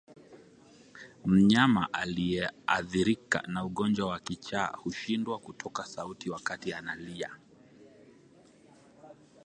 Mnyama aliyeathirika na ugonjwa wa kichaa hushindwa kutoa sauti wakati analia